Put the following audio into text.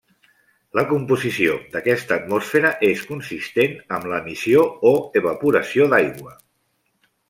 La composició d'aquesta atmosfera és consistent amb l'emissió o evaporació d'aigua.